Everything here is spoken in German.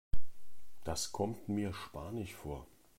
Das kommt mir spanisch vor.